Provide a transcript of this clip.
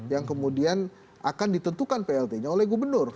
yang kemudian akan ditentukan plt nya oleh gubernur